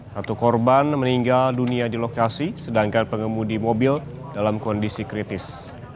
satu korban meninggal dunia di lokasi sedangkan pengemudi mobil dalam kondisi kritis